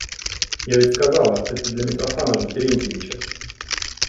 Я ведь сказала это для Митрофана же Терентьевича.